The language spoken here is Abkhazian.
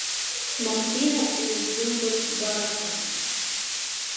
Мактина илзымбатәбараханы.